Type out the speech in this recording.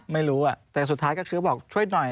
ไม่รู้แต่สุดท้ายก็คือบอกช่วยหน่อย